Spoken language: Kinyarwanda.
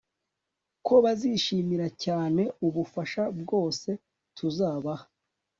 ko bazishimira cyane ubufasha bwose tuzabaha